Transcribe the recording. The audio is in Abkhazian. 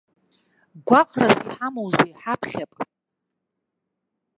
Гәаҟрас иҳамоузеи, ҳаԥхьап.